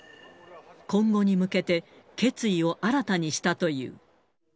今後に向けて、決意を新たにしたという。